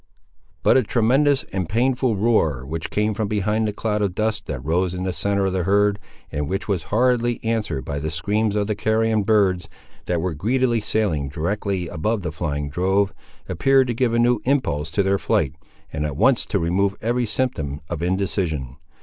But a tremendous and painful roar, which came from behind the cloud of dust that rose in the centre of the herd, and which was horridly answered by the screams of the carrion birds, that were greedily sailing directly above the flying drove, appeared to give a new impulse to their flight, and at once to remove every symptom of indecision.